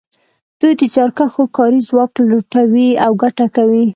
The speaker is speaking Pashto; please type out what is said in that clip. دوی د زیارکښو کاري ځواک لوټوي او ګټه کوي